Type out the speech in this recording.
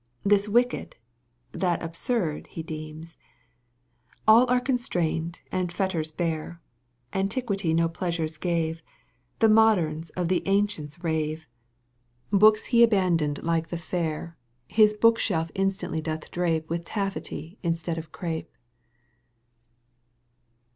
This wicked, that absurd he deems, All are constrained and fetters bear, Antiquity no pleasure gave, The modems of the ancients rave — Books he abandoned like the fair, ffis book shelf instantly doth drape With tafifety instead of crape.